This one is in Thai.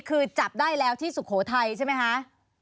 คือจับได้แล้วที่สุโขทัยใช่ไหมคะ